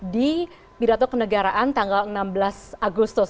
di pidato kenegaraan tanggal enam belas agustus